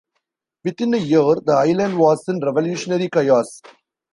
Within a year the island was in revolutionary chaos.